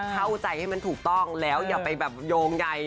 เข้าใจให้มันถูกต้องแล้วอย่าไปแบบโยงใย